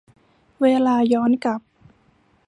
เวลาย้อนกลับ